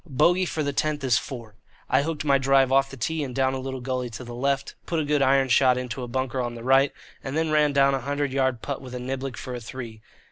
Bogey for the tenth is four. I hooked my drive off the tee and down a little gully to the left, put a good iron shot into a bunker on the right, and then ran down a hundred yard putt with a niblick for a three.